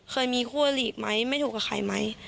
เคยมีคู่อลีกไหมไม่ถูกกับใครไหม